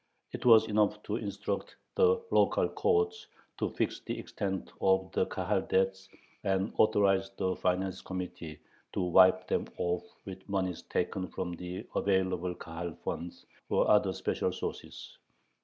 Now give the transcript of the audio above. It was enough to instruct the local courts to fix the extent of the Kahal debts and authorize the finance committee to wipe them off with moneys taken from the available Kahal funds or other special sources.